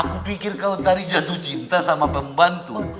aku pikir kau tadi jatuh cinta sama pembantu